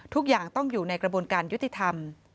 ทุกอย่างต้องอยู่ในกระบวนการยุติธรรม